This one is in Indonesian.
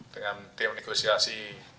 dengan tim negosiasi